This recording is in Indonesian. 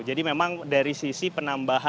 jadi memang dari sisi penambahan